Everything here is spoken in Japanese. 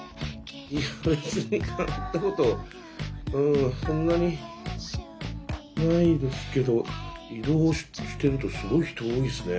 いや別に変わったことうんそんなにないですけど移動してるとすごい人多いですね